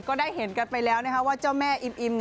ก็ได้เห็นกันไปแล้วนะครับว่าเจ้าแม่อิมอิม